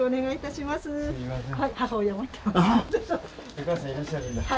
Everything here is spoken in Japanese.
お母さんいらっしゃるんだ。